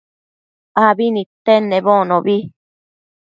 abi nidtenedbocnobi